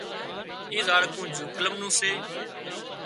اِي زاڙکون جوڪلم نُون سي